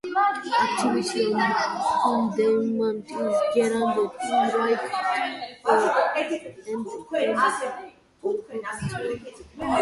Activation in Denmark is regarded as "a right and an obligation".